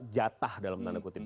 jatah dalam tanda kutip